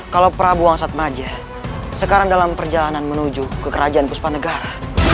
kalau prabu wangsaatmaja sekarang dalam perjalanan menuju ke kerajaan uspa negara